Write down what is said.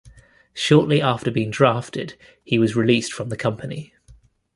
Shortly after being drafted, he was released from the company.